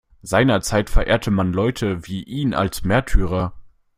Seinerzeit verehrte man Leute wie ihn als Märtyrer.